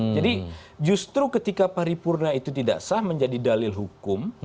jadi justru ketika paripurna itu tidak sah menjadi dalil hukum